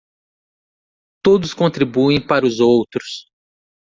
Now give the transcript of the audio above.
Todos contribuem para os outros